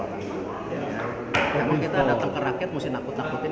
memang kita datang ke rakyat mesti nakut nakutin